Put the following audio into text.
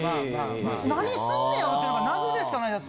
何すんねやろっていうのが謎でしかないです。